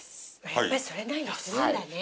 やっぱりそれなりにするんだね。